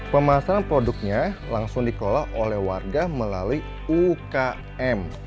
pemasaran produknya langsung dikelola oleh warga melalui ukm